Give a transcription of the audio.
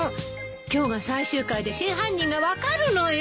今日が最終回で真犯人が分かるのよ。